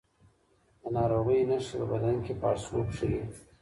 د ناروغۍ نښې په بدن کې پاړسوب ښيي.